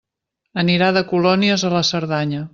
Anirà de colònies a la Cerdanya.